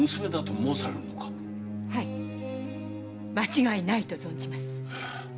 はい間違いないと存じます。